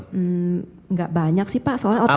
hmm enggak banyak sih pak soalnya otot kemarahan